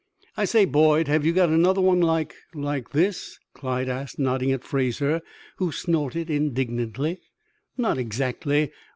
"I say, Boyd, have you got another one like like this?" Clyde asked, nodding at Fraser, who snorted indignantly. "Not exactly.